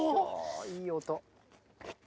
いい音。